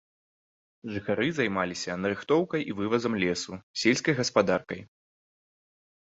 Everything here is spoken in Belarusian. Жыхары займаліся нарыхтоўкай і вывазам лесу, сельскай гаспадаркай.